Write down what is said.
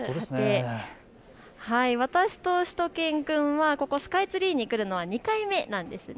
私としゅと犬くんはここ、スカイツリーに来るのは２回目なんです。